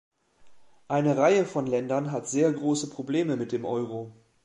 Eine Reihe von Ländern hat sehr große Probleme mit dem Euro.